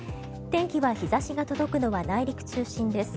天気は日差しが届くのは内陸中心です。